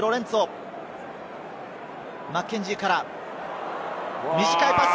マッケンジーから短いパス。